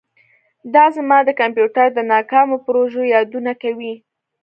دا زما د کمپیوټر د ناکامو پروژو یادونه کوي